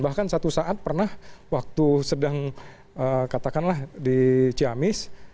bahkan satu saat pernah waktu sedang katakanlah di ciamis